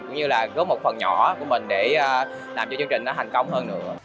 cũng như là góp một phần nhỏ của mình để làm cho chương trình nó thành công hơn nữa